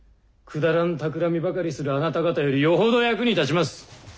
くだらん企みばかりするあなた方よりよほど役に立ちます。